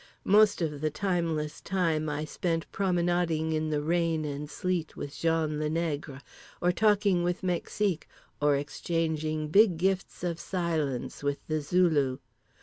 Most of the timeless time I spent promenading in the rain and sleet with Jean le Nègre, or talking with Mexique, or exchanging big gifts of silence with The Zulu.